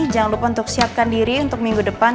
jangan lupa untuk siapkan diri untuk minggu depan